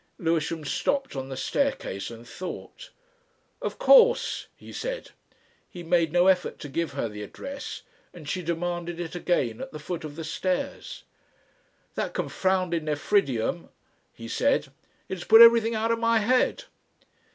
Lewisham stopped on the staircase and thought. "Of course," he said. He made no effort to give her the address, and she demanded it again at the foot of the stairs. "That confounded nephridium !" he said. "It has put everything out of my head."